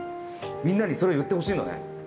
みんなにそれを言ってほしいのね。